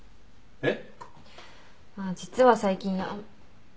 えっ？